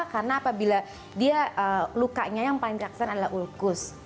karena apabila dia lukanya yang paling teraksan adalah ulkus